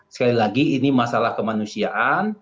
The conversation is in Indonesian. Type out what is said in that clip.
sekali lagi ini masalah kemanusiaan